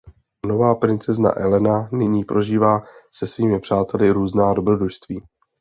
Nová princezna Elena nyní prožívá se svými přáteli různá dobrodružství.